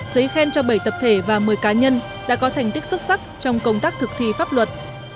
giấy khen cho bảy tập thể và một mươi cá nhân đã có thành tích xuất sắc trong công tác thực thi pháp luật